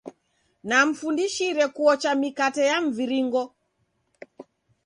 Namfundishire kuocha mikate ya mviringo.